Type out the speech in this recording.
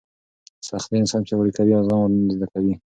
سختۍ انسان پیاوړی کوي او زغم ور زده کوي.